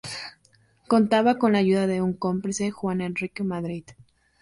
Contaba con la ayuda de un cómplice: Juan Enrique Madrid.